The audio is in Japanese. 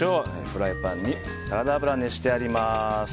フライパンにサラダ油を熱してあります。